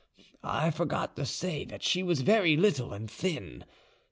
I forgot to say that she was very little and thin.